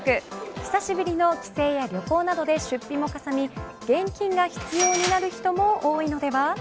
久しぶりの帰省や旅行などで出費もかさみ現金が必要になる人も多いのでは。